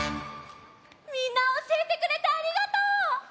みんなおしえてくれてありがとう！